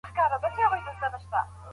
که میندې فعالې وي نو کور به سست نه وي.